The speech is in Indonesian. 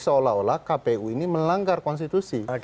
seolah olah kpu ini melanggar konstitusi